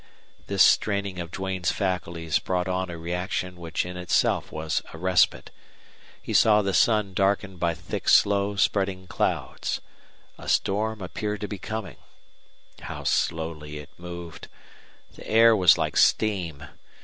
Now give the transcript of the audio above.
This straining of Duane's faculties brought on a reaction which in itself was a respite. He saw the sun darkened by thick slow spreading clouds. A storm appeared to be coming. How slowly it moved! The air was like steam.